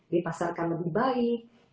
dipasarkan lebih baik